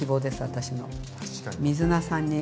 私の。